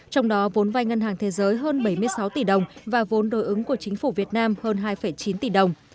trong đó vốn vai ngân hàng thế giới hơn bảy mươi sáu tỷ đồng và vốn đối ứng của chính phủ việt nam hơn hai chín tỷ đồng